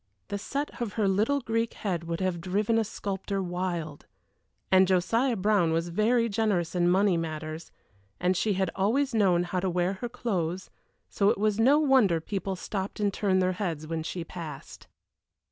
The set of her little Greek head would have driven a sculptor wild and Josiah Brown was very generous in money matters, and she had always known how to wear her clothes, so it was no wonder people stopped and turned their heads when she passed.